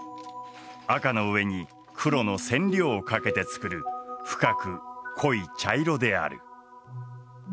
紅の上に黒の染料をかけて作る深く濃い茶色である。